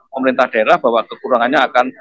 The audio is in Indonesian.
pemerintah daerah bahwa kekurangannya akan